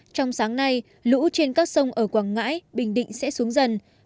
trong sáng nay lũ trên các sông ở quảng ngãi bình định sẽ xuống dần